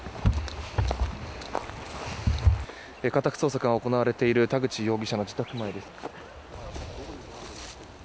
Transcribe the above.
家宅捜索が行われている田口容疑者の自宅前です。